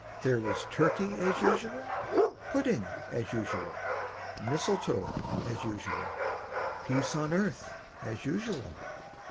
There was turkey as usual, Pudding as usual, Mistletoe as usual, Peace on earth as usual.